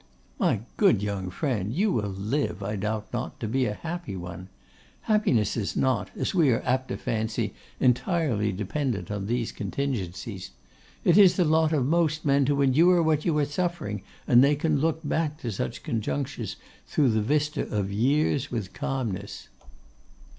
'My good young friend, you will live, I doubt not, to be a happy one. Happiness is not, as we are apt to fancy, entirely dependent on these contingencies. It is the lot of most men to endure what you are now suffering, and they can look back to such conjunctures through the vista of years with calmness.